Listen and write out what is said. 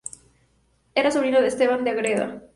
Era sobrino de Esteban de Ágreda.